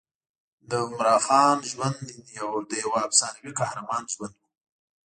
د عمراخان ژوند د یوه افسانوي قهرمان ژوند و.